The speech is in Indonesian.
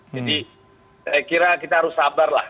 jadi saya kira kita harus sabarlah